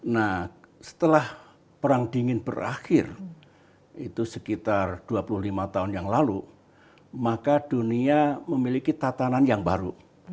nah setelah perang dingin berakhir itu sekitar dua puluh lima tahun yang lalu maka dunia memiliki tatanan yang baru